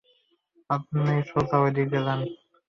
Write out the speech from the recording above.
আপনি সোজা ঐদিকে যান।